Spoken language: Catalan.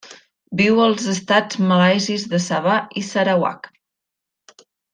Viu als estats malaisis de Sabah i Sarawak.